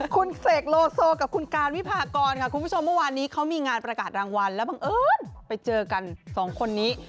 คุณเสกโลโซกับคุณการวิพากรค่ะคุณผู้ชมเมื่อวานนี้เขามีงานประกาศรางวัลแล้วบังเอิญไปเจอกันสองคนนี้